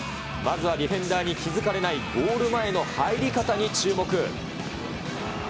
まずはディフェンダーに気付かれないゴール前の入り方に注目。